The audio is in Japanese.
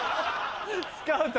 スカウト？